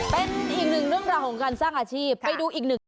เป็นอีกหนึ่งเรื่องราวของการสร้างอาชีพไปดูอีกหนึ่ง